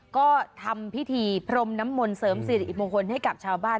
ก็ทำพิธีพรมน้ำมนเสริมศิลป์อิฟโมฮลให้กับชาวบ้าน